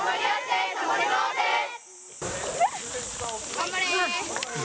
頑張れ。